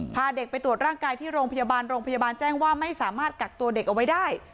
พาเด็กไปตรวจร่างกายที่โรงพยาบาลโรงพยาบาลแจ้งว่าไม่สามารถกักตัวเด็กเอาไว้ได้